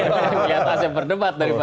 lihat asep berdebat daripada